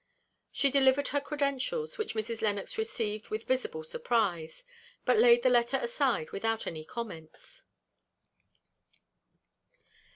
She delivered her credentials, which Mrs. Lennox received with visible surprise; but laid the letter aside without any comments.